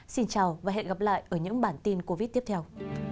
xin chào và hẹn gặp lại ở những bản tin covid tiếp theo